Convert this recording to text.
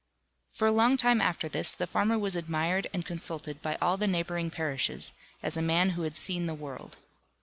For a long time after this, the farmer was admired and consulted by all the neighbouring parishes, as a man who had seen the world.